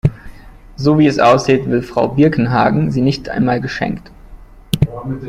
So, wie es aussieht, will Frau Birkenhagen sie nicht einmal geschenkt.